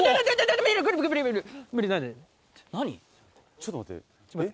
・ちょっと待ってえっ？